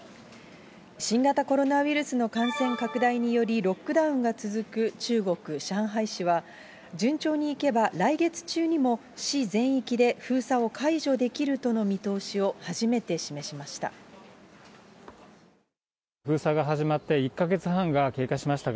新型コロナウイルスの感染拡大により、ロックダウンが続く中国・上海市は、順調にいけば、来月中にも市全域で封鎖を解除できるとの見通しを初めて示しました。